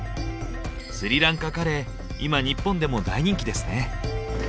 スリランカカレー今日本でも大人気ですね。